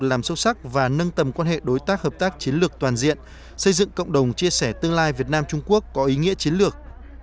làm sâu sắc và nâng tầm quan hệ đối tác hợp tác chiến lược toàn diện xây dựng cộng đồng chia sẻ tương lai việt nam trung quốc có ý nghĩa chiến lược